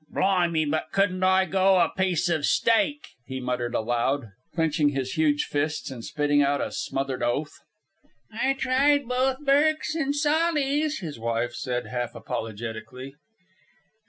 "Blimey, but couldn't I go a piece of steak!" he muttered aloud, clenching his huge fists and spitting out a smothered oath. "I tried both Burke's an' Sawley's," his wife said half apologetically.